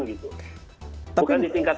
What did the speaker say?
bukan di tingkat